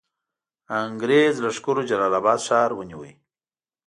انګرېز لښکرو جلال آباد ښار ونیوی.